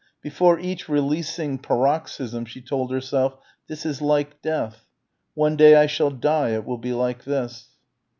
Before each releasing paroxysm she told herself "this is like death; one day I shall die, it will be like this."